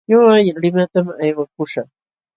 Ñuqa limatam aywakuśhaq.